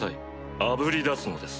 あぶり出すのです。